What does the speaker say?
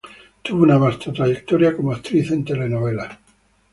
Tuvo una vasta trayectoria como actriz en telenovelas.